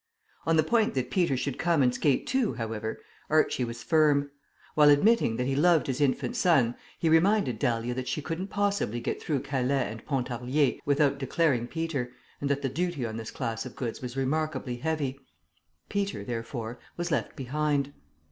On the point that Peter should come and skate too, however, Archie was firm. While admitting that he loved his infant son, he reminded Dahlia that she couldn't possibly get through Calais and Pontarlier without declaring Peter, and that the duty on this class of goods was remarkably heavy. Peter, therefore, was left behind.